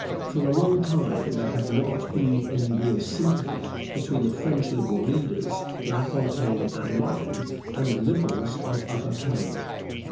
For a long time there had not been any real sympathy between the French Liberal leaders, LaFontaine and Morin, and the Liberals of Upper Canada.